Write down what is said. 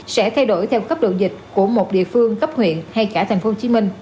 sẽ thay đổi theo cấp độ dịch của một địa phương cấp huyện hay cả tp hcm